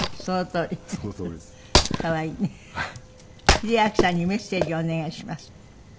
「英明さんにメッセージをお願いします」